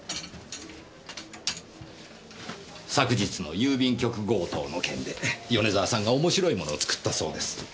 昨日の郵便局強盗の件で米沢さんが面白いものを作ったそうです。